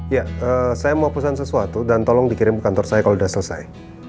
ya saya mau pesan sesuatu dan tolong dikirim ke kantor saya kalau sudah selesai